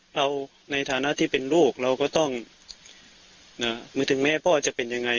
เราในฐานะที่เป็นลูกเราก็ต้องถึงแม้พ่อจะเป็นยังไง